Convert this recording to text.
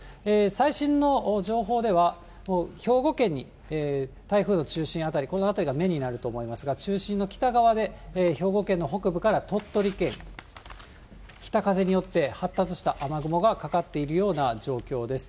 最新の情報では、兵庫県に台風の中心辺り、この辺りが目になると思いますが、中心の北側で、兵庫県の北部から鳥取県、北風によって発達した雨雲がかかっているような状況です。